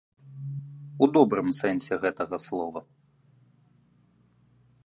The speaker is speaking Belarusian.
У добрым сэнсе гэтага слова.